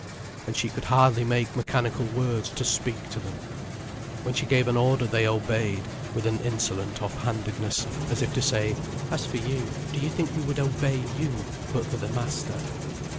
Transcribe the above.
And she could hardly make mechanical words to speak to them. When she gave an order they obeyed with an insolent off handedness, as if to say: "As for you, do you think we would obey you, but for the master?"